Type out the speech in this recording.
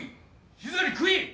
静かに食え！